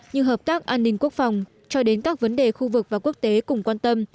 như hợp tác an ninh quốc phòng cho đến các vấn đề khu vực và quốc tế cùng quan tâm